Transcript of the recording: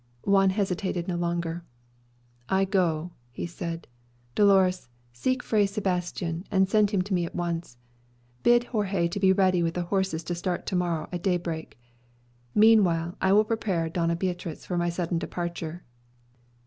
Juan hesitated no longer. "I go," he said. "Dolores, seek Fray Sebastian, and send him to me at once. Bid Jorge be ready with the horses to start to morrow at daybreak. Meanwhile, I will prepare Doña Beatriz for my sudden departure."